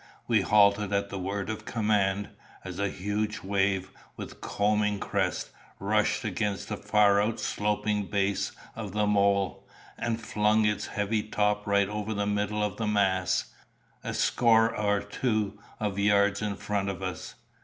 We halted at the word of command, as a huge wave, with combing crest, rushed against the far out sloping base of the mole, and flung its heavy top right over the middle of the mass, a score or two of yards in front of us.